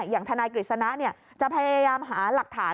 อย่างทนายกฤษณะจะพยายามหาหลักฐาน